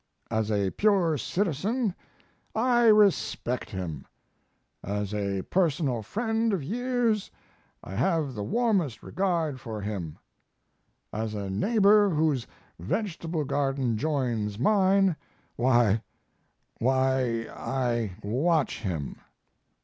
As a pure citizen, I respect him; as a personal friend of years, I have the warmest regard for him; as a neighbor whose vegetable garden joins mine, why why, I watch him.